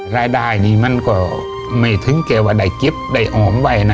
รายได้ไม่ถึงว่าใดเกิบใดอ่อมไหว